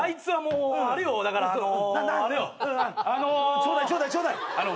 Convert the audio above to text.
ちょうだいちょうだいちょうだい。